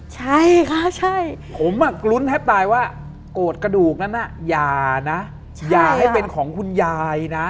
ใช่ค่ะใช่ผมลุ้นแทบตายว่าโกรธกระดูกนั้นน่ะอย่านะอย่าให้เป็นของคุณยายนะ